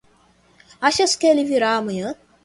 Achas que ele virá amanhã?